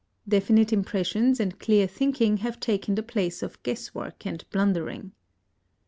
Definite impressions and clear thinking have taken the place of guess work and blundering.